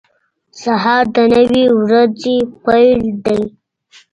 • سهار د نوې ورځې پیل دی.